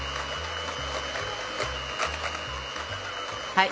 はい。